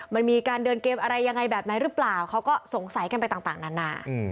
มันมีการเดินเกมอะไรยังไงแบบไหนหรือเปล่าเขาก็สงสัยกันไปต่างนานา